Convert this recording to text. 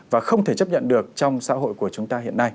và không thể chấp nhận được trong xã hội của chúng ta hiện nay